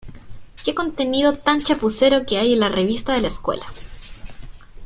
¡Qué contenido tan chapucero que hay en la revista de la escuela!